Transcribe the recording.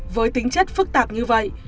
với tính chất phức tạp như vậy